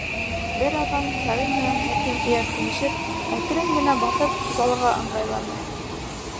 Бер аҙҙан Сәғит менән Хәким эйәртенешеп, әкрен генә баҫып, залға ыңғайланы.